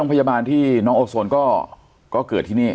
พยาบาลที่น้องโอโซนก็เกิดที่นี่